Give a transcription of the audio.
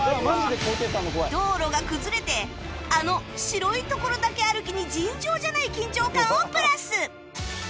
道路が崩れてあの「白い所だけ歩き」に尋常じゃない緊張感をプラス